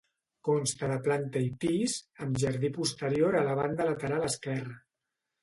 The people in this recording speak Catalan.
Consta de planta i pis, amb jardí posterior a la banda lateral esquerra.